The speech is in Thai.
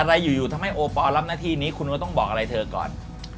อะไรอยู่ทำให้โอปอลรับหน้าที่นี้คุณก็ต้องบอกอะไรเธอก่อน